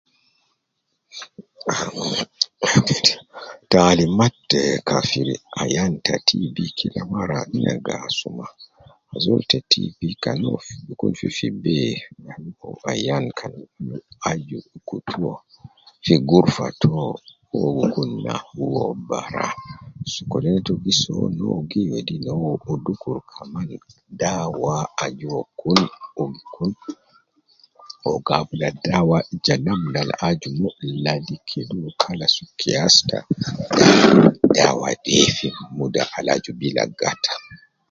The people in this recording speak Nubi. Ahh, ahh teti ,taalima te kafir ayan ta TB kila mara na gi asuma, azol te TB kan uwo fi gi kun fifi be, uwo ayan kan aju gi kutu uwo fi gurufa to, uwo kun na uwo bara, sokolin to gi soo no gi wedi no, wu dukur kaman dawa aju uwo kun uwo gi kun uwo gi abula dawa ja namna al aju mo ladi kede uwo kalas kias ta dawa de fi muda al aju uwo bila gata